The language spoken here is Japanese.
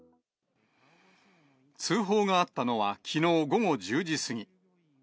通報があったのは、きのう午後１０時過ぎ。